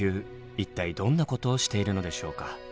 一体どんなことをしているのでしょうか。